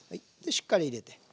しっかり入れて。